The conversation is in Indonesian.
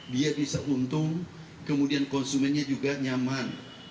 dia bisa untung kemudian konsumennya juga nyaman